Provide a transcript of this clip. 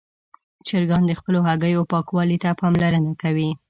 چرګان د خپلو هګیو پاکوالي ته پاملرنه کوي.